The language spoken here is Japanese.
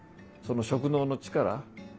その職能の力